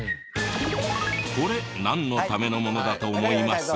これなんのためのものだと思います？